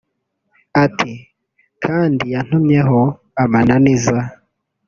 ati kandi yantumyeho amananiza